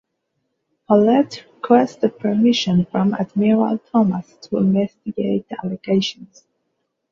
Paulet requested permission from Admiral Thomas to investigate the allegations.